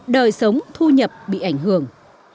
đời sống thu nhập bị ảnh hưởng